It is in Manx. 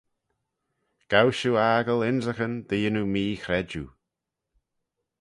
Gow shiu aggle ynrican dy yannoo mee-chredjue.